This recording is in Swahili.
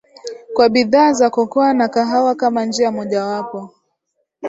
kwa bidhaa za cocoa na kahawa kama njia mojawapo